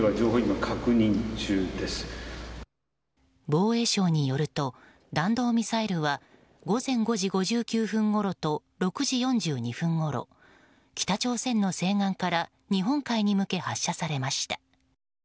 防衛省によると弾道ミサイルは午前５時５９分ごろと６時４２分ごろ北朝鮮の西岸から日本海に向け発射されました。